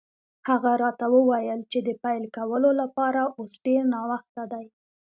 هغه راته وویل چې د پیل کولو لپاره اوس ډېر ناوخته دی.